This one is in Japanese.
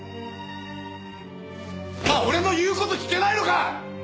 お前俺の言う事聞けないのか！